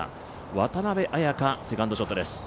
渡邉彩香、セカンドショットです。